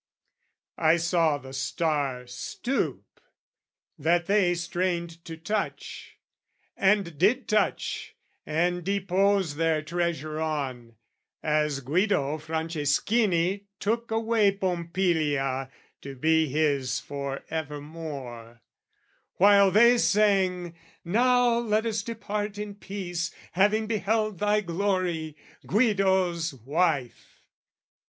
I saw the star stoop, that they strained to touch, And did touch and depose their treasure on, As Guido Franceschini took away Pompilia to be his for evermore, While they sang "Now let us depart in peace, "Having beheld thy glory, Guido's wife!"